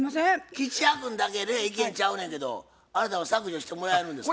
吉弥君だけね意見ちゃうねんけどあなたは削除してもらえるんですか？